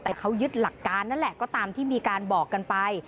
แต่เขายึดหลักการนั่นแหละก็ตามที่มีการบอกกันไป